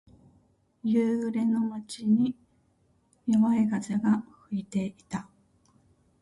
夕暮れの街に、弱い風が吹いていた。